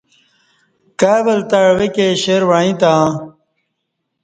کای ول تں عوہ کی شیر وعݩع ایی تہ